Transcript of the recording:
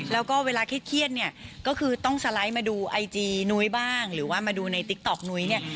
แล้วก็เวลาเครียดเนี่ยก็คือต้องสไลด์มาดูไอจีนุ้ยบ้างหรือว่ามาดูในติ๊กต๊อกนุ้ยเนี่ย